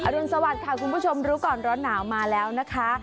รุนสวัสดิ์ค่ะคุณผู้ชมรู้ก่อนร้อนหนาวมาแล้วนะคะ